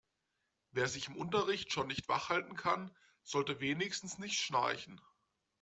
Wer sich im Unterricht schon nicht wach halten kann, sollte wenigstens nicht schnarchen.